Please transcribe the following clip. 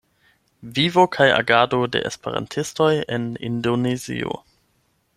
Vivo kaj agado de esperantistoj en Indonezio".